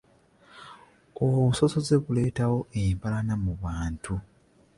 Obusosoze buleetawo empalana mu bantu.